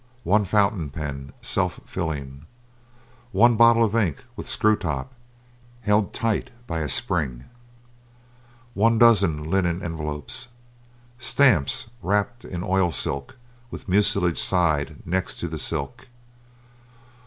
One fountain pen, self filling. One bottle of ink, with screw top, held tight by a spring. One dozen linen envelopes. Stamps, wrapped in oil silk with mucilage side next to the silk.